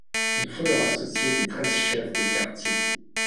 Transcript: Il faut leur associer les treize chefs de quartier.